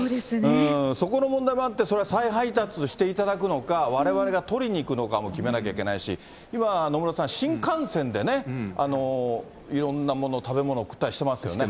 そこの問題もあって、それは再配達していただくのか、われわれが取りに行くのかも決めなきゃいけないし、今、野村さん、新幹線でね、いろんなもの、食べ物送ったりしてますよね。